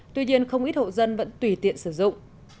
tuy nhiên không ít hộ dân vẫn tùy tiện sử dụng